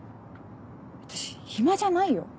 私暇じゃないよ